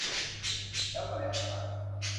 แล้วก็แล้วกันไป